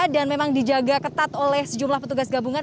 dan memang dijaga ketat oleh sejumlah petugas gabungan